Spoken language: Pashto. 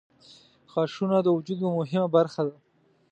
• غاښونه د وجود یوه مهمه برخه ده.